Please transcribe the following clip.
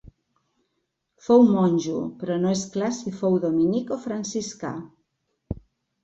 Fou monjo però no és clar si fou dominic o franciscà.